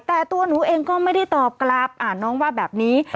แต่ตัวหนูเองก็ไม่ได้ตอบกลับน้องว่าแบบนี้